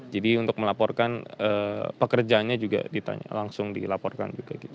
jadi untuk melaporkan pekerjaannya juga langsung dilaporkan juga gitu